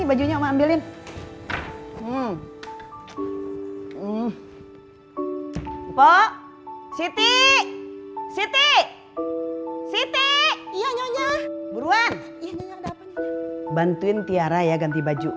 bantuin tiara ya ganti baju